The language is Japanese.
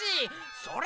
それ！